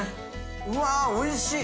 うわぁおいしい。